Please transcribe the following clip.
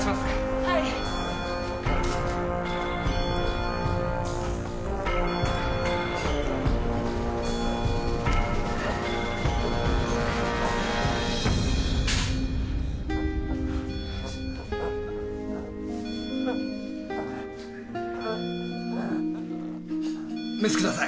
はいメスください